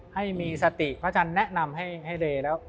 ให้มีสติพระอาจารย์แนะนำให้เลแล้ว